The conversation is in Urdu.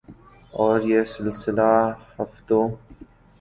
اور یہ سلسلہ ہفتوں